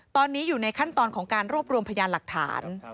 ตอนนี้อยู่ในขั้นตอนของการรวบรวมพยานหลักฐาน